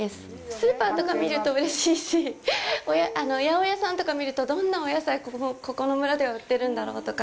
スーパーとか見るとうれしいし八百屋さんとか見るとどんなお野菜ここの村では売ってるんだろうとか。